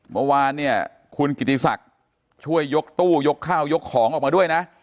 เมื่อวานเนี่ยคุณกิติศักดิ์ช่วยยกตู้ยกข้าวยกของออกมาด้วยนะ